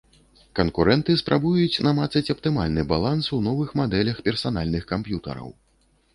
Канкурэнты спрабуюць намацаць аптымальны баланс у новых мадэлях персанальных камп'ютараў.